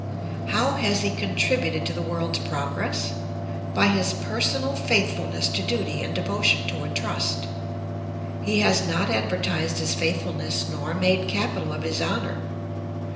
How has he contributed to the world's progress? By his personal faithfulness to duty and devotion to a trust. He has not advertised his faithfulness nor made capital of his honor.